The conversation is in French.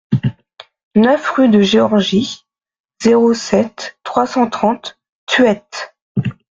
neuf rue de Georgie, zéro sept, trois cent trente Thueyts